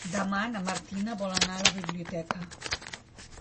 Demà na Martina vol anar a la biblioteca.